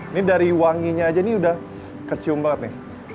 ini dari wanginya aja ini udah kecium banget nih